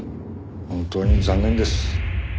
本当に残念です。